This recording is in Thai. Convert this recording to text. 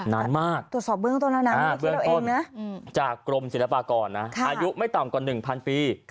นานมากเบื้องต้นจากกรมศิลปากรนะอายุไม่ต่ำกว่า๑๐๐๐ปี